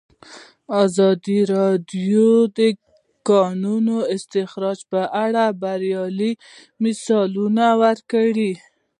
ازادي راډیو د د کانونو استخراج په اړه د بریاوو مثالونه ورکړي.